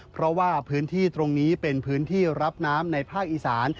เพราะว่าพื้นที่ตรงนี้เป็นพื้นที่รับน้ำในภาคอีสาน